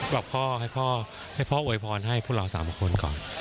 บอกพ่อให้พ่อเพื่อพ่ออยู่ให้พระองค์ให้พวกเราสามคนของ